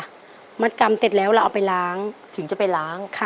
ขั้นตอนตั้งแต่เริ่มต้นจนเสร็จแล้วใส่ถุงเนี่ยฮะต้องทำอะไรบ้างครับ